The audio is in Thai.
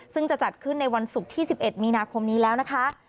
ซึ่งจะจัดขึ้นในวันศุกร์ที่๑๑มีนาคมนี้แล้วนะคะ